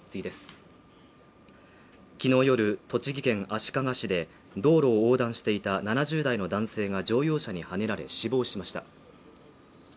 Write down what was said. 昨日夜、栃木県足利市で道路を横断していた７０代の男性が乗用車にはねられ死亡しました。